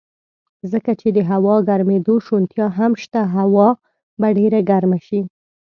ځکه چې د هوا ګرمېدو شونتیا هم شته، هوا به ډېره ګرمه شي.